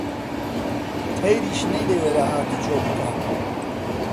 تەیریش نەیدەوێرا هاتوچۆ بکا